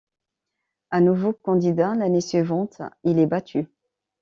A nouveau candidat l'année suivante, il est battu.